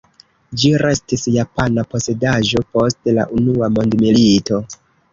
Ĝi restis japana posedaĵo post la Unua Mondmilito.